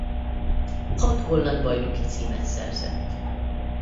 Hat holland bajnoki címet szerzett.